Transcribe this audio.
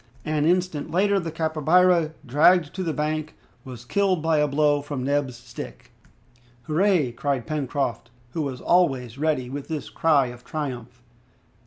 An instant later the capybara, dragged to the bank, was killed by a blow from Neb's stick. "Hurrah!" cried Pencroft, who was always ready with this cry of triumph.